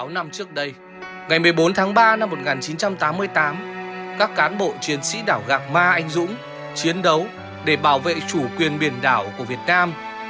sáu mươi năm trước đây ngày một mươi bốn tháng ba năm một nghìn chín trăm tám mươi tám các cán bộ chiến sĩ đảo gạc ma anh dũng chiến đấu để bảo vệ chủ quyền biển đảo của việt nam